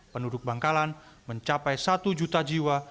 penduduk bangkalan mencapai satu juta jiwa